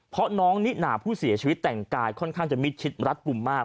เพราะน้องนิน่าผู้เสียชีวิตแต่งกายค่อนข้างจะมิดชิดรัดกลุ่มมาก